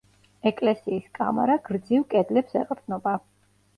ეკლესიის კამარა გრძივ კედლებს ეყრდნობა.